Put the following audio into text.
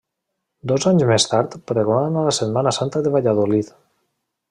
Dos anys més tard pregona la Setmana Santa de Valladolid.